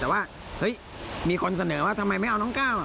แต่ว่าเฮ้ยมีคนเสนอว่าทำไมไม่เอาน้องก้าว